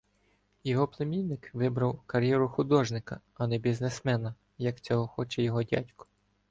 Його племінник вибрав кар'єру художника, а не бізнесмена, як цього хоче його дядько.